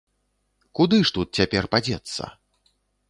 Куды ж тут цяпер падзецца?!